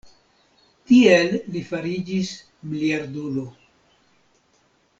Tiel li fariĝis miliardulo.